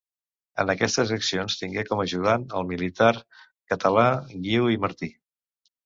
En aquestes accions tingué com ajudant el militar català, Guiu i Martí.